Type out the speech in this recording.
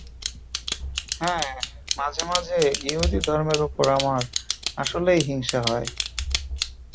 হ্যাঁ, মাঝেমাঝে ইহুদি ধর্মের ওপর আমার আসলেই হিংসা হয়।